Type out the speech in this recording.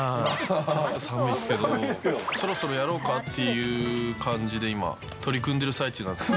ちょっと寒いですけど、そろそろやろうかっていう感じで今、取り組んでいる最中なんです。